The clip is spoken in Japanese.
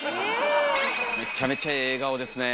めっちゃめちゃええ笑顔ですねえ。